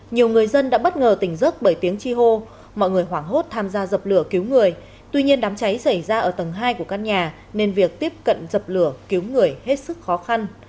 nhiều người dân đã bất ngờ tỉnh dốc bởi tiếng chi hô mọi người hoảng hốt tham gia dập lửa cứu người tuy nhiên đám cháy xảy ra ở tầng hai của căn nhà nên việc tiếp cận dập lửa cứu người hết sức khó khăn